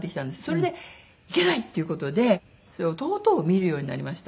それでいけない！っていう事で弟を見るようになりました。